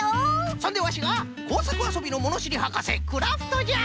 そんでワシがこうさくあそびのものしりはかせクラフトじゃ！